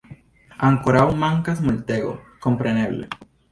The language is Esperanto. Ankorau mankas multego, kompreneble.